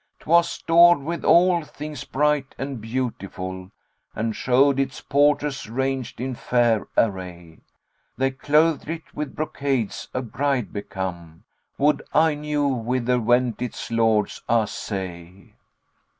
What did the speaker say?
'Twas stored with all things bright and beautiful, * And showed its porters ranged in fair array: They clothed it with brocades a bride become;[FN#75] * Would I knew whither went its lords, ah, say!"